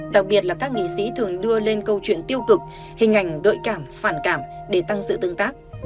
đặc biệt là các nghị sĩ thường đưa lên câu chuyện tiêu cực hình ảnh gợi cảm phản cảm để tăng sự tương tác